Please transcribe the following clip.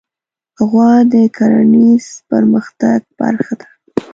غوا د کرهڼیز پرمختګ برخه ده.